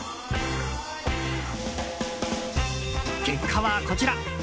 結果は、こちら。